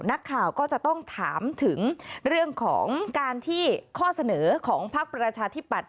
นักข่าวก็จะต้องถามถึงเรื่องของการที่ข้อเสนอของพักประชาธิปัตย